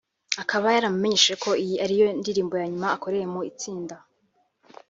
akaba yaramumenyesheje ko iyi ari yo ndirimbo ya nyuma akoreye mu itsinda